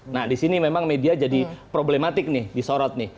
nah disini memang media jadi problematik nih disorot nih